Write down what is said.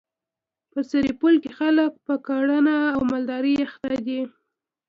په سرپل کي خلک په کرهڼه او مالدري اخته دي.